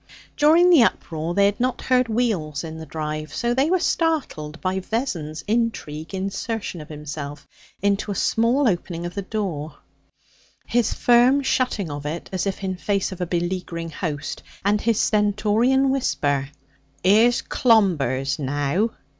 During the uproar they had not heard wheels in the drive, so they were startled by Vessons' intrigue insertion of himself into a small opening of the door, his firm shutting of it as if in face of a beleaguering host, and his stentorian whisper: 'Ere's Clombers now!'